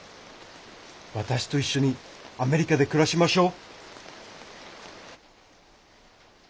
私と一緒にアメリカで暮らしましょう。